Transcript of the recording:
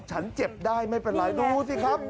ฉันเจ็บได้ไม่เป็นไรดูสิครับ